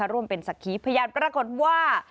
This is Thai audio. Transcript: ร่วมเป็นสักขีพยานปรากฏว่า